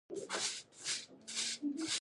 نورستانیان په غرونو کې اوسیږي؟